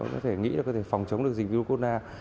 có thể nghĩ là có thể phòng chống được dịch virus corona